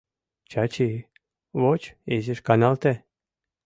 — Чачи, воч, изиш каналте...